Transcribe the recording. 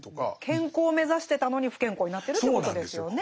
健康を目指してたのに不健康になってるっていうことですよね。